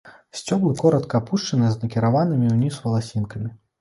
Сцёблы коратка апушаныя з накіраванымі ўніз валасінкамі.